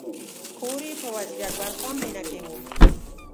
کور یې په وزیر اکبر خان مېنه کې و.